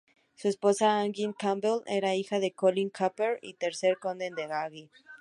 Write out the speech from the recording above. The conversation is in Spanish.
Su esposa, Agnes Campbell era hija de Colin Campbell, tercer Conde de Argyll.